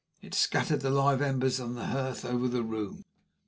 It scattered the live embers on the hearth all over the room.